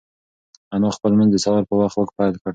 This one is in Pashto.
انا خپل لمونځ د سهار په وخت پیل کړ.